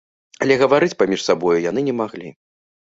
Але гаварыць паміж сабою яны не маглі.